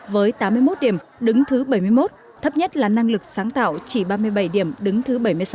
với tám mươi một điểm đứng thứ bảy mươi một thấp nhất là năng lực sáng tạo chỉ ba mươi bảy điểm đứng thứ bảy mươi sáu